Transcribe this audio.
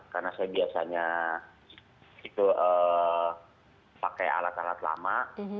karena saya biasanya pakai alat alat lama